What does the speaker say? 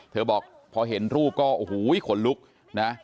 บอกพอเห็นรูปก็โอ้โหขนลุกนะ